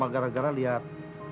beschana bernardine' punggungmu